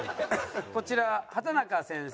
こちら畠中先生。